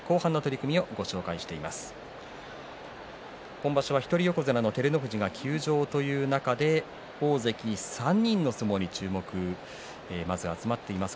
今場所は一人横綱の照ノ富士が休場という中で大関３人の相撲に注目が集まっています。